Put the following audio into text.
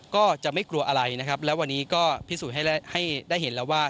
ก็จะไม่กลัวอะไรนะครับแล้ววันนี้ก็พิสูจน์ให้ได้เห็นแล้วว่า